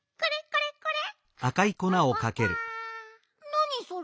なにそれ。